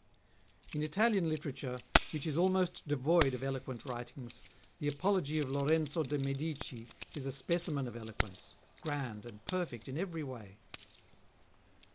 In Italian literature, which is almost devoid of eloquent writings, the apology of Lorenzo de Medici is a specimen of eloquence, grand and perfect in every way.